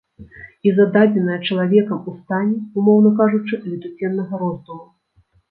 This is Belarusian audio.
І зададзенае чалавекам у стане, умоўна кажучы, летуценнага роздуму.